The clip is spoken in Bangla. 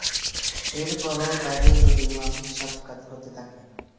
এরপরেও তাদের রুটিন মাফিক সাক্ষাৎ হতে থাকে।